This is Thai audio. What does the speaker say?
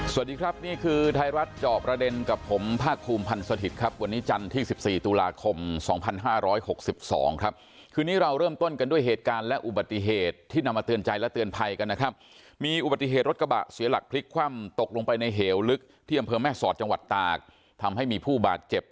สวัสดีครับนี่คือไทยรัฐจอบประเด็นกับผมภาคภูมิพันธ์สถิตย์ครับวันนี้จันทร์ที่๑๔ตุลาคม๒๕๖๒ครับคืนนี้เราเริ่มต้นกันด้วยเหตุการณ์และอุบัติเหตุที่นำมาเตือนใจและเตือนภัยกันนะครับมีอุบัติเหตุรถกระบะเสียหลักพลิกคว่ำตกลงไปในเหวลึกที่อำเภอแม่สอดจังหวัดตากทำให้มีผู้บาดเจ็บ